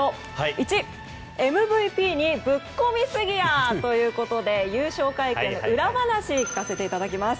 １ＭＶＰにぶっこみすぎや！ということで優勝会見の裏話を聞かせていただきます。